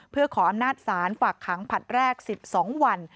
เพื่อขออำนาจศาลฝากขังผลัดแรก๑๒วัน